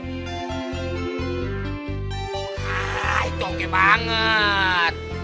wah coge banget